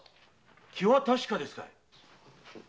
気は確かですかい？